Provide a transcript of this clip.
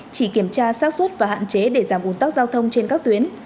chỉ kiểm tra xác suất và hạn chế để giảm un tắc giao thông trên các tuyến